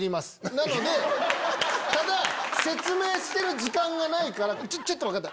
なのでただ説明してる時間がないからちょっと分かった！